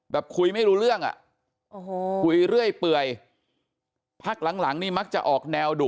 คุยไม่รู้เรื่องอ่ะโอ้โหคุยเรื่อยเปื่อยพักหลังนี่มักจะออกแนวดุ